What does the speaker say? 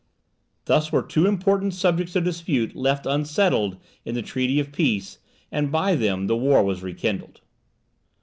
Thus were two important subjects of dispute left unsettled in the treaty of peace, and by them the war was rekindled.